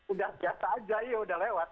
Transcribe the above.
udah biasa aja ya udah lewat